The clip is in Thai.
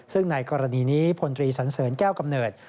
ซึ่งในกรณีนี้พลตรีสันเสริญแก้วกำเนิด